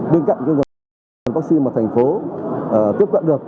bên cạnh những nguồn vaccine mà thành phố tiếp cận được